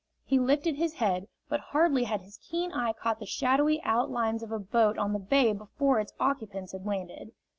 He lifted his head, but hardly had his keen eye caught the shadowy outlines of a boat on the bay before its occupants had landed.